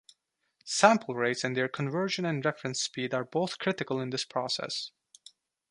Sample rates and their conversion and reference speed are both critical in this process.